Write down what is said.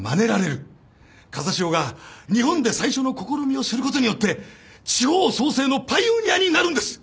風汐が日本で最初の試みをすることによって地方創生のパイオニアになるんです！